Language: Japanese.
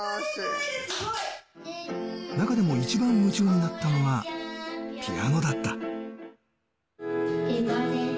中でも一番夢中になったのがピアノだった。